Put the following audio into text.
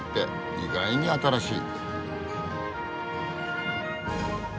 意外に新しい。